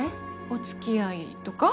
お付き合いとか？